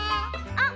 あっ！